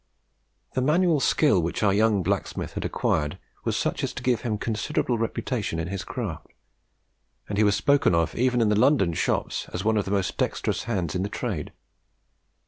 The manual skill which our young blacksmith had acquired was such as to give him considerable reputation in his craft, and he was spoken of even in the London shops as one of the most dexterous hands in the trade.